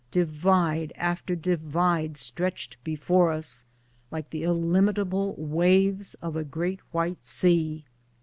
Divide after 'divide stretched before us, like the illimitable waves of a great wliite sea.